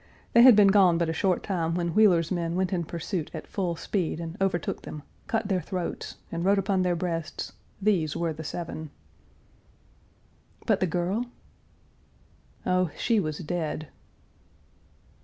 They had been gone but a short time when Wheeler's men went in pursuit at full speed and overtook them, cut their throats and wrote upon their breasts: 'These were the seven!' " "But the girl?" "Oh, she was dead!"